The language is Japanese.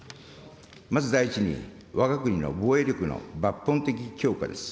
まず第１に、わが国の防衛力の抜本的強化です。